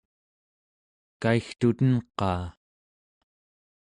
kaigtuten-qaa?